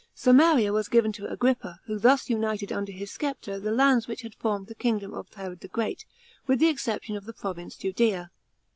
Samaria was given to Agrippa, who thus united under his sceptre the lands which had formed the kingdom of Herod the Great, with the exception of the province Judea.